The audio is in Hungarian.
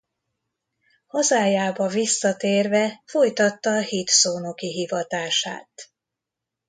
Hazájába visszatérve folytatta hitszónoki hivatását.